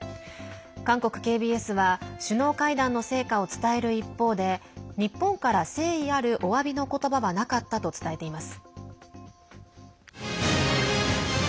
韓国ＫＢＳは首脳会談の成果を伝える一方で日本から誠意あるおわびの言葉はなかったと伝えています。